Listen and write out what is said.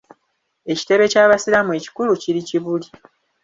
Ekitebbe ky'abasiraamu ekikulu kiri Kibuli.